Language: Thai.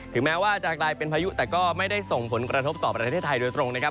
แม้ว่าจะกลายเป็นพายุแต่ก็ไม่ได้ส่งผลกระทบต่อประเทศไทยโดยตรงนะครับ